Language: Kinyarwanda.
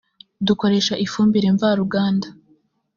dukoresha ifumbire mvaruganda